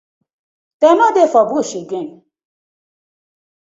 Dem no dey for bush again?